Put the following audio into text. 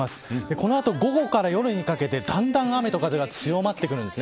この後午後から夜にかけてだんだん雨と風が強まってきます。